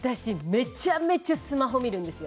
めちゃめちゃスマホ見るんです。